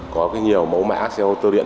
có nhiều mẫu mã xe ô tô điện